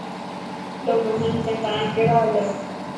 هلو موهن تايانڪهڙا هال هي.